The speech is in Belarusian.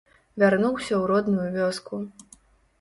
Вярнуўся ў родную вёску.